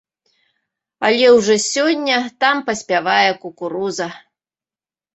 Але ўжо сёння там паспявае кукуруза.